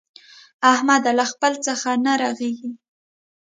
احمده! له خپله څخه نه رغېږي.